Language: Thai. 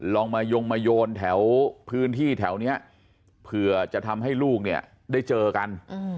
ลองมายงมาโยนแถวพื้นที่แถวนี้เผื่อจะทำให้ลูกเนี่ยได้เจอกัน